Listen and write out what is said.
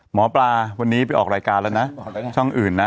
หมอปลาวันนี้ไปออกรายการแล้วนะ